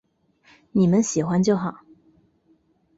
妳们喜欢就好